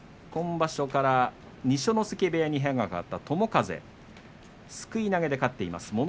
今場所から二所ノ関部屋に部屋が変わった友風すくい投げで勝っています。